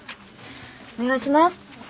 お願いします。